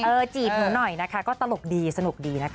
จีบหนูหน่อยนะคะก็ตลกดีสนุกดีนะคะ